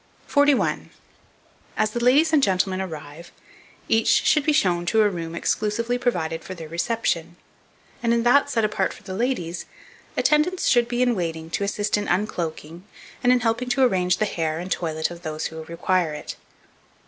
41. AS THE LADIES AND GENTLEMEN ARRIVE, each should be shown to a room exclusively provided for their reception; and in that set apart for the ladies, attendants should be in waiting to assist in uncloaking, and helping to arrange the hair and toilet of those who require it.